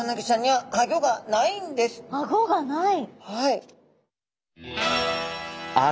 はい。